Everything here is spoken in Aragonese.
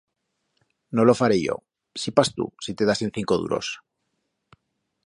No lo faré yo. Sí pas tu, si te dasen cinco duros.